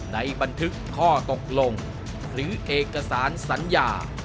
ในบันทึกข้อตกลงหรือเอกสารสัญญา